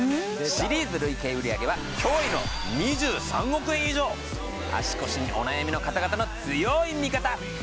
シリーズ累計売上は驚異の２３億円以上足腰にお悩みの方々の強い味方出た！